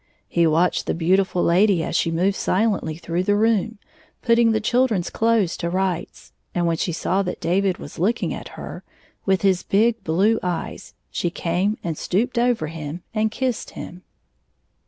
He watched the beautifiil lady as she moved silently through the room, putting the chil dren's clothes to rights, and when she saw that David was looking at her, with his big blue eyes, she came and stooped over him and kissed him.